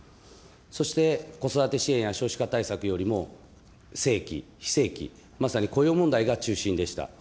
そして子育て支援や少子化対策よりも正規、非正規、まさに雇用問題が中心でした。